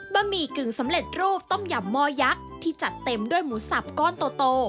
บะหมี่กึ่งสำเร็จรูปต้มยำหม้อยักษ์ที่จัดเต็มด้วยหมูสับก้อนโต